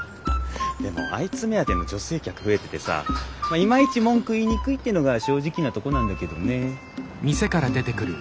でもあいつ目当ての女性客増えててさいまいち文句言いにくいってのが正直なとこなんだけどね。